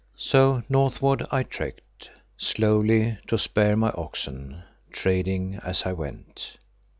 So northward I trekked, slowly to spare my oxen, trading as I went.